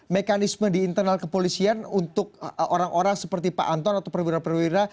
mekanisme di internal kepolisian untuk orang orang seperti pak anton atau perwira perwira